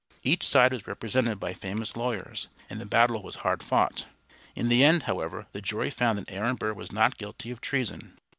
Each side was represented by famous lawyers; and the battle was hard fought. In the end, however, the jury found that Aaron Burr was not guilty of treason.